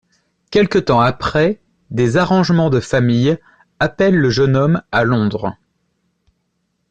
Quelque temps après, des arrangements de famille appellent le jeune homme à Londres.